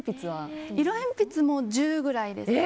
色鉛筆も１０くらいです。